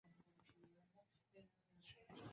ভেবেছিলাম প্রথম শ্রেণীতে যাবেন।